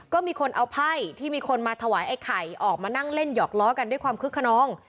ก็มีคนเอาไพ่ที่มีคนมาถวายไอ้ไข่ออกมานั่งเล่นหยอกล้อกันด้วยความคึกขนอง